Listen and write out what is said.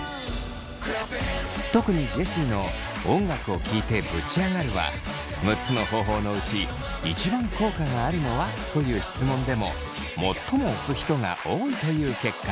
特にジェシーの「音楽を聴いてぶち上がる」は６つの方法のうち一番効果があるのは？という質問でも最も推す人が多いという結果に。